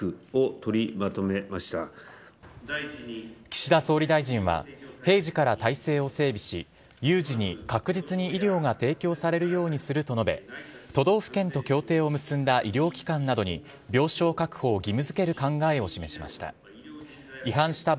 岸田総理大臣は平時から体制を整備し有事に確実に医療が提供されるようにすると述べ都道府県と協定を結んだ医療機関などに病床確保を義務付ける考えを示しました。